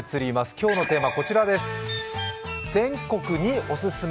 今日のテーマこちらです。